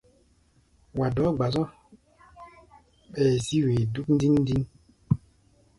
Wa dɔɔ́ gba-zɔ̧́, ɓɛɛ zí-wee dúk ndíŋ-ndíŋ.